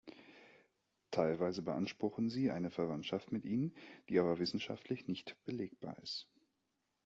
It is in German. Teilweise beanspruchen sie eine Verwandtschaft mit ihnen, die aber wissenschaftlich nicht belegbar ist.